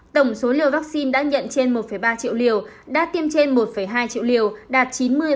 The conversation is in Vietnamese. tổng số liều vaccine đã nhận trên một ba triệu liều đã tiêm trên một hai triệu liều đạt chín mươi